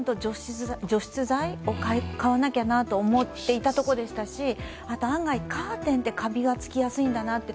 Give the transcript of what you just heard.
除湿剤を買わなきゃなと思っていたところでしたし、案外カーテンって、カビがつきやすいんだなって。